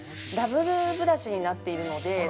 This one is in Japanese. ダブルブラシになっているので。